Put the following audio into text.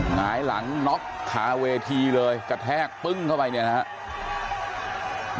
หงายหลังน็อกคาเวทีเลยกระแทกปึ้งเข้าไปเนี่ยนะครับ